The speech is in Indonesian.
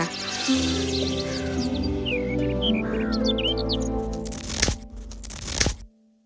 kota kota kota